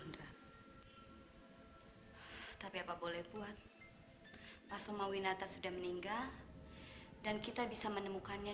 hai tapi apa boleh buat pasumawinata sudah meninggal dan kita bisa menemukannya